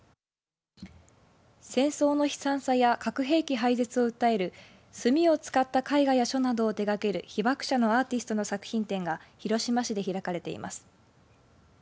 戦争の悲惨さや核兵器廃絶を訴える墨を使った絵画や書などを手がける被爆者のアーティストの作品展が広島市で開かれています。